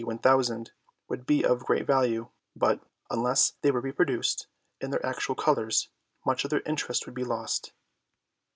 1000, would be of great value, but, unless they were reproduced in their actual colours, much of their interest would be lost.